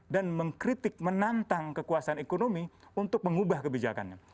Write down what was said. dan mengkritik menantang kekuasaan ekonomi untuk mengubah kebijakannya